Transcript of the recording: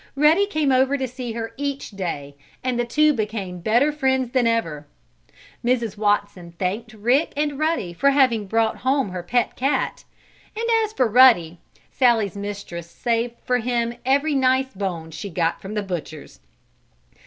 Ruddy came over to see her each day, and the two became better friends than ever. Mrs. Watson thanked Rick and Ruddy for having brought home her pet cat, and as for Ruddy, Sallie's mistress saved for him every nice bone she got from the butcher's.